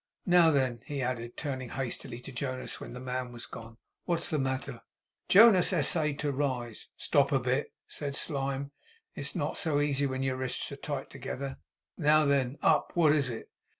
Now then,' he added, turning hastily to Jonas, when the man was gone. 'What's the matter?' Jonas essayed to rise. 'Stop a bit,' said Slyme. 'It's not so easy when your wrists are tight together. Now then! Up! What is it?